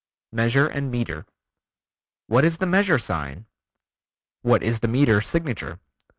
Measure and Meter "What is the measure sign?" "What is the meter signature?"